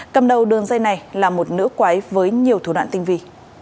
cầm đầu đường dây này là một nữ quái với nhiều thủ đoạn tinh vi